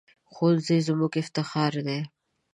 ښوونځی زموږ افتخار دی